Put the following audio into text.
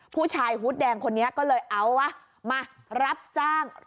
ผู้ชายฮูตแดงคนนี้ก็เลยเอาวะมารับจ้าง